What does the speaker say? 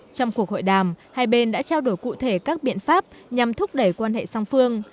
trong cuộc hội đàm hai bên đã trao đổi cụ thể các biện pháp nhằm thúc đẩy quan hệ song phương